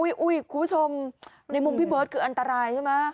คุณผู้ชมในมุมพี่เบิร์ตคืออันตรายใช่ไหม